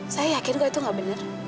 saya yakin gue itu gak bener